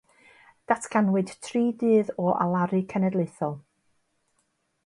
Datganwyd tri dydd o alaru cenedlaethol.